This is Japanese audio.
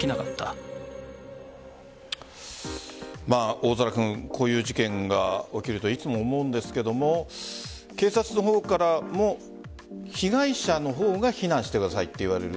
大空君こういう事件が起きるといつも思うんですけれども警察の方からも被害者の方が避難してくださいって言われる。